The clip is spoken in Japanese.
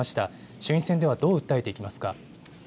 衆院選ではどう訴えていきますか。